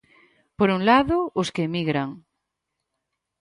Por un lado, os que emigran.